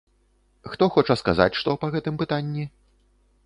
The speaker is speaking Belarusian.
Хто хоча сказаць што па гэтым пытанні?